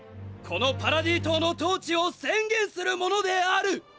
このパラディ島の統治を宣言するものである！！